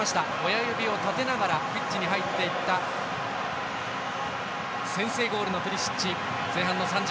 親指を立てながらピッチに入っていった先制ゴールのプリシッチ。